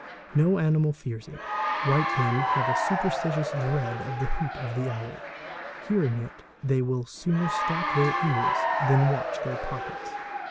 No animal fears it, white men have a superstitious dread of the hoot of the owl; hearing it they will sooner stop their ears than watch their pockets.